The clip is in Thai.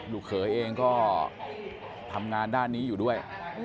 ลูกเขยเองก็ทำงานด้านนี้อยู่ด้วย